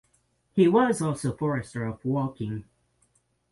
He was also Forester of Woking.